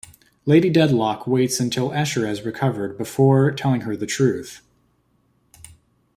Lady Dedlock waits until Esther has recovered before telling her the truth.